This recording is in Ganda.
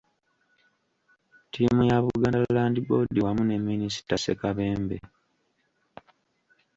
Ttiimu ya Buganda Land Board wamu ne Minisita Ssekabembe.